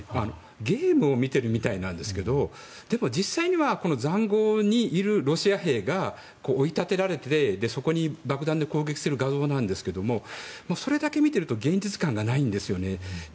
ゲームを見ているみたいなんですけどでも実際には塹壕にいるロシア兵が追い立てられて、そこに爆弾で攻撃する画像なんですがそれだけ見ていると現実感がないんですよね。